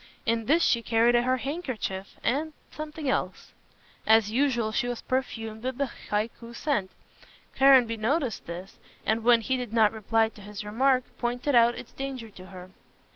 In this she carried her handkerchief and something else. As usual, she was perfumed with the Hikui scent. Caranby noticed this, and when she did not reply to his remark, pointed out its danger to her.